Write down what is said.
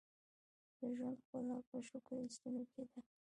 • د ژوند ښکلا په شکر ایستلو کې ده.